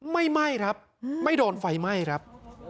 ไหม้ครับไม่โดนไฟไหม้ครับ